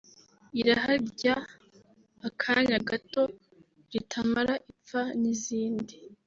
« Irahary’akanya gato ritamara ipfa » n’izindi